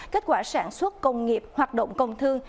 kết quả sản xuất công nghiệp hoạt động công thương